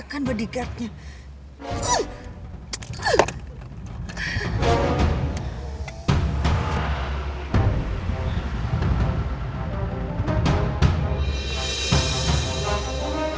aku servis repotnya untuk deborah